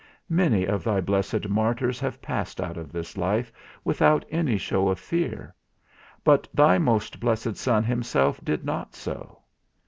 Many of thy blessed martyrs have passed out of this life without any show of fear; but thy most blessed Son himself did not so.